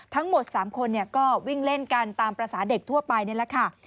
ทั้งหมด๓คนก็วิ่งเล่นกันตามภาษาเด็กทั่วไปนี่แหละค่ะ